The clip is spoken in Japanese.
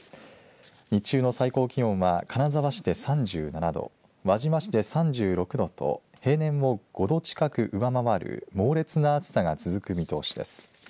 日中の最高気温は金沢市で３７度輪島市で３６度と平年を５度近く上回る猛烈な暑さが続く見通しです。